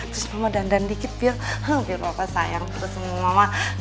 terus mama dandan dikit biar bapak sayang terus semua mama